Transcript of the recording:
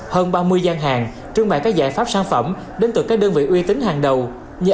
hơn ba mươi gian hàng trưng bày các giải pháp sản phẩm đến từ các đơn vị uy tín hàng đầu như